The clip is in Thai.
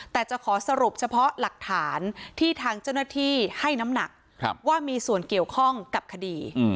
แต่จะขอสรุปเฉพาะหลักฐานที่ทางเจ้าหน้าที่ให้น้ำหนักว่ามีส่วนเกี่ยวข้องกับคดี